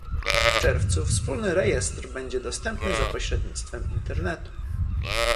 W czerwcu wspólny rejestr będzie dostępny za pośrednictwem Internetu